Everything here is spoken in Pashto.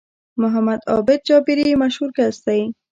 محمد عابد جابري مشهور کس دی